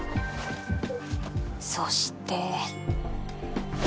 そして。